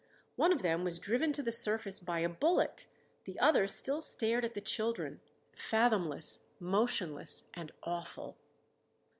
One of them was driven to the surface by a bullet, the other still stared at the children, fathomless, motionless, and awful.